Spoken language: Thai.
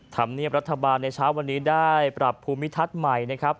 ธรรมเนียบรัฐบาลในเช้าวันนี้ได้ปรับภูมิทัศน์ใหม่นะครับ